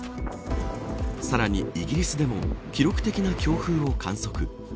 さらにイギリスでも記録的な強風を観測。